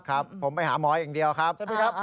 ครับผมไปหาหมอยเดียวครับ